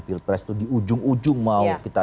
pilpres itu di ujung ujung mau kita